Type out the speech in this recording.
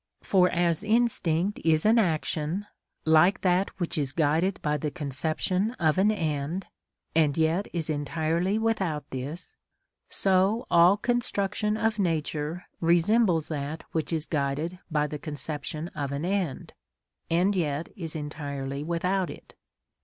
For as instinct is an action, like that which is guided by the conception of an end, and yet is entirely without this; so all construction of nature resembles that which is guided by the conception of an end, and yet is entirely without it.